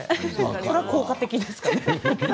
それが効果的ですかね。